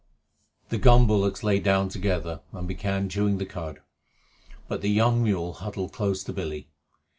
The gun bullocks lay down together and began chewing the cud, but the young mule huddled close to Billy.